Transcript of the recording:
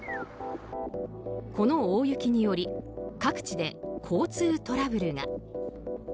この大雪により各地で交通トラブルが。